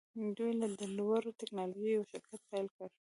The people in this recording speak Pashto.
دوی د لوړې ټیکنالوژۍ یو شرکت پیل کړ